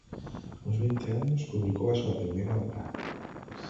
Aos vinte anos publicou a súa primeira obra.